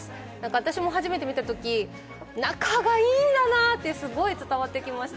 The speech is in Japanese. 私も初めて見たとき、仲がいいんだなと伝わってきました。